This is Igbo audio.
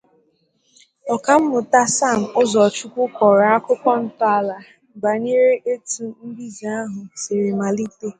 Ọkammụta Sam Ụzọchukwu kọrọ akụkọ ntọala bànyere etu mbize ahụ siri màlite